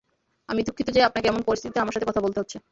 আমি দুঃখিত যে আপনাকে এমন পরিস্থিতিতে আমার সাথে কথা বলতে হচ্ছে।